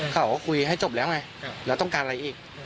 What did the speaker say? อย่าให้คุยให้จบแล้วยังอร่อย